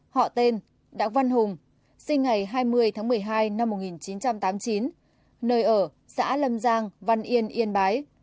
họ tên đặng văn hùng sinh ngày hai mươi tháng một mươi hai năm một nghìn chín trăm tám mươi chín nơi ở xã lâm giang văn yên yên bái